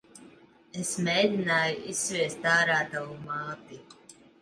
Es mēgināju izsviest ārā tavu māti.